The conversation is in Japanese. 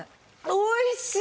おいしい！